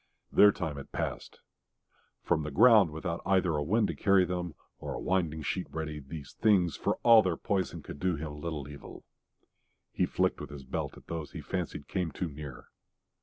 Their time had passed. From the ground without either a wind to carry them or a winding sheet ready, these things, for all their poison, could do him little evil. He flicked with his belt at those he fancied came too near.